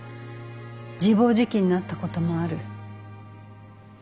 自暴自棄になったこともある。